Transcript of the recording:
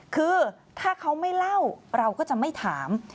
คือถ้าเขาไม่เล่าเราก็จะไม่ถาม